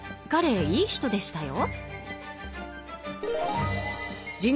彼もいい人でしたよ。